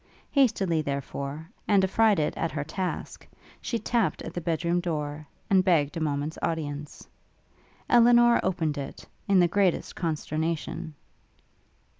Hastily, therefore, and affrighted at her task, she tapped at the bedroom door, and begged a moment's audience. Elinor opened it, in the greatest consternation.